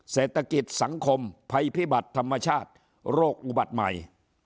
เศรษฐกิจสังคมภัยพิบัติธรรมชาติโรคอุบัติใหม่